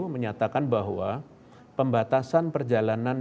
menyatakan bahwa pembatasan perjalanan